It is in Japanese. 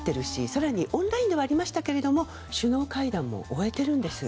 更に、オンラインではありましたけれども首脳会談も終えているんです。